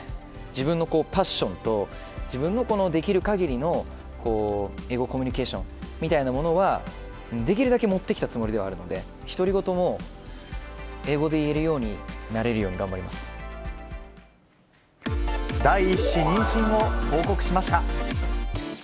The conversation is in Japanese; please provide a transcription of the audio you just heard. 自分のパッションと、自分のこのできるかぎりの英語コミュニケーションみたいなものはできるだけ持ってきたつもりではあるので、独り言も英語で言える第１子妊娠を報告しました。